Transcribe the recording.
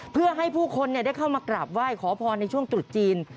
เพื่อให้ผู้คนได้เข้ามากราบไหว้ขอพรในช่วงตรุษจีน